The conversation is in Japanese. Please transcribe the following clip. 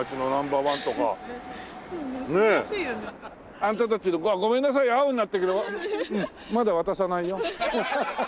あなたたちのごめんなさい青になったけどまだ渡さないよ。